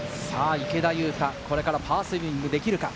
池田勇太、これからパーセービングできるか。